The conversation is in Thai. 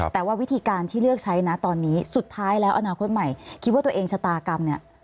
แต่ว่าวิธีการที่เลือกใช้นะตอนนี้สุดท้ายแล้วอนาคตใหม่คิดว่าตัวเองชะตากรรมเนี่ย